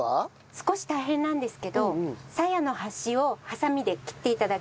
少し大変なんですけどさやの端をハサミで切って頂きたいんです。